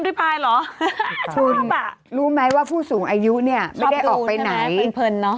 ดูไปดูมาก็ต้องซื้อ